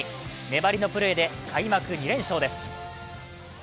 粘りのプレーで開幕２連勝です。